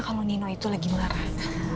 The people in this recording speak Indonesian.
kalau nino itu lagi marah